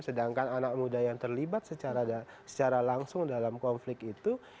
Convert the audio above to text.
sedangkan anak muda yang terlibat secara langsung dalam konflik itu